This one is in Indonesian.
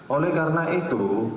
oleh karena itu